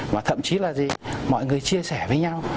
mà thậm chí là gì mọi người chia sẻ với nhau